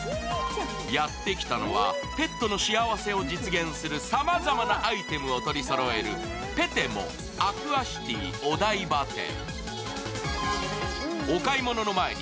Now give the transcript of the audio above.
やってきたのは、ペットの幸せを実現するさまざまなアイテムを取りそろえるペテモアクアシティお台場店。